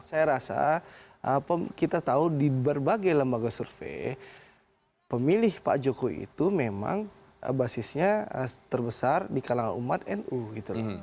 saya rasa kita tahu di berbagai lembaga survei pemilih pak jokowi itu memang basisnya terbesar di kalangan umat nu gitu loh